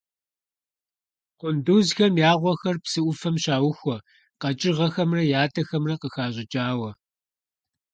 Къундузхэм я гъуэхэр псы Ӏуфэм щаухуэ къэкӀыгъэхэмрэ ятӀэхэмрэ къыхэщӀыкӀауэ.